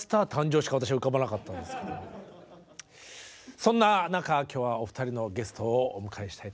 そんな中今日はお二人のゲストをお迎えしたいと思っております。